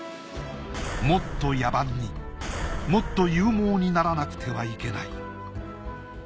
もっと野蛮にもっと勇猛にならなくてはいけない。